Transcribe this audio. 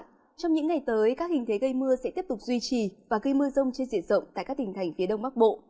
trong những ngày tới các hình thế gây mưa sẽ tiếp tục duy trì và gây mưa rông trên diện rộng tại các tỉnh thành phía đông bắc bộ